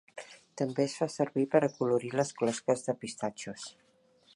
També es fa servir per acolorir les closques de pistatxos.